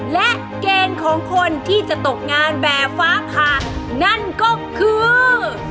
และเกณฑ์ของคนที่จะตกงานแบบฟ้าผ่านั่นก็คือ